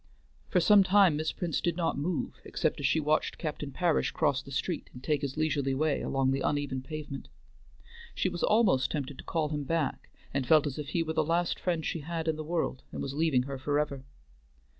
For some time Miss Prince did not move, except as she watched Captain Parish cross the street and take his leisurely way along the uneven pavement. She was almost tempted to call him back, and felt as if he were the last friend she had in the world, and was leaving her forever.